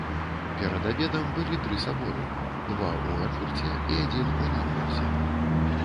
Перад абедам былі тры саборы — два ў Эрфурце і адзін у Наўмбурзе.